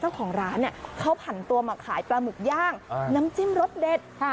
เจ้าของร้านเนี่ยเขาผันตัวมาขายปลาหมึกย่างน้ำจิ้มรสเด็ด